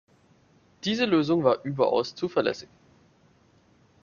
Diese Lösung war überaus zuverlässig.